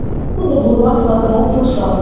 Тудо бурлак-влакым ок вурсо.